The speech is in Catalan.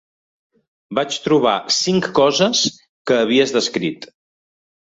Vaig trobar cinc coses que havies descrit.